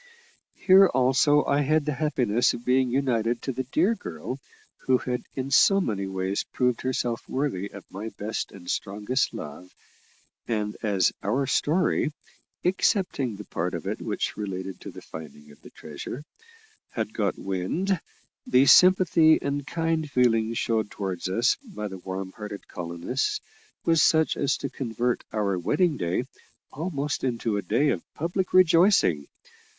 Here also I had the happiness of being united to the dear girl who had in so many ways proved herself worthy of my best and strongest love, and as our story excepting that part of it which related to the finding of the treasure had got wind, the sympathy and kind feeling shown towards us by the warm hearted colonists, was such as to convert our wedding day almost into a day of public rejoicing.